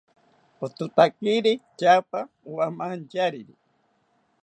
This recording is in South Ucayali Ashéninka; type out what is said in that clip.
Ototakiri tyaapa owamantyariri